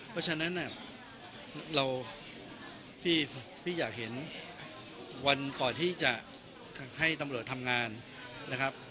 เพราะฉะนั้นเราพี่อยากเห็นวันก่อนที่จะให้ตำรวจทำงานนะครับ